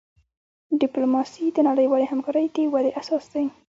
ډیپلوماسي د نړیوالی همکاری د ودي اساس دی.